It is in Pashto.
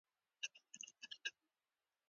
د مینې پلار دواړه په کورس کې شاملې کړې